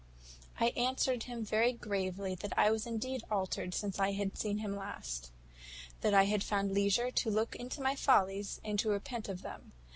"I answered him very gravely that I was indeed altered since I had seen him last. That I had found leisure to look into my follies and to repent of them.